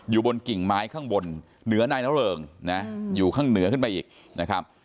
อยู่บนกิ่งไม้ข้างบนเหนือนายนเริงนะอยู่ข้างเหนือขึ้นไปอีกนะครับ